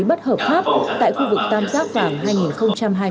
bất hợp pháp tại khu vực tam giác vào hai nghìn hai mươi hai nghìn hai mươi hai